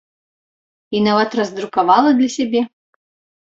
І нават раздрукавала для сябе.